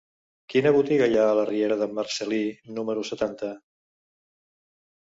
Quina botiga hi ha a la riera de Marcel·lí número setanta?